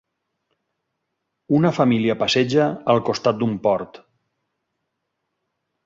Una família passeja al costat d'un port.